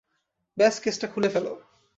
ব্যস কেসটা খুলে ফেল।